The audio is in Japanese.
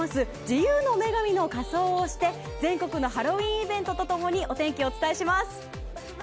自由の女神の仮装をして全国のハロウィーンイベントと共にお天気を紹介します。